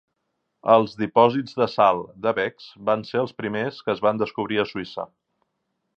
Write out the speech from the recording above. Els dipòsits de sal de Bex van ser els primers que es van descobrir a Suïssa.